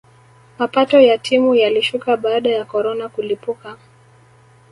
mapato ya timu yalishuka baada ya corona kulipuka